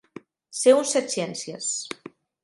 Ser un setciències.